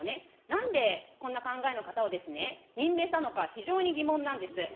なんでこんな考えの方を任命したのか、非常に疑問なんです。